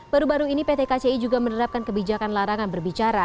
baru baru ini pt kci juga menerapkan kebijakan larangan berbicara